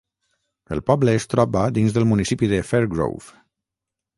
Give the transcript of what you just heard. El poble es troba dins del municipi de Fairgrove.